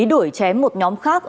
đuổi chém một nhóm khác